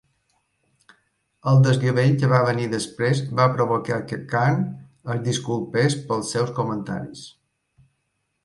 El desgavell que va venir després va provocar que Kahne es disculpés pels seus comentaris.